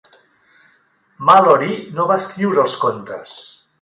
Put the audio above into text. Malory no va escriure els contes.